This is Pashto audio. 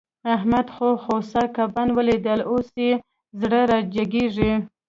احمد چې خوسا کبان وليدل؛ اوس يې زړه را جيګېږي.